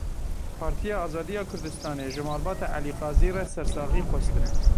Partiya Azadiya Kurdistanê ji malbata Elî Qazî re sersaxî xwestin.